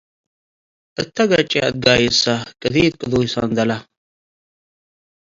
አታ ገጭ አትጋየሳ ቀዲት ቁዱይ ሰንዳላ